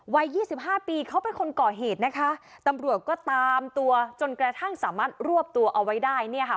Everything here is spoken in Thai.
ยี่สิบห้าปีเขาเป็นคนก่อเหตุนะคะตำรวจก็ตามตัวจนกระทั่งสามารถรวบตัวเอาไว้ได้เนี่ยค่ะ